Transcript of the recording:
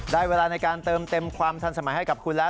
เวลาในการเติมเต็มความทันสมัยให้กับคุณแล้ว